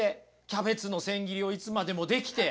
キャベツの千切りをいつまでもできて。